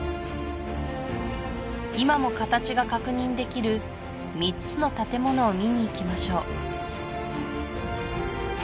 今も形が確認できる三つの建物を見に行きましょう